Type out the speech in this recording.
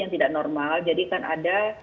yang tidak normal jadi kan ada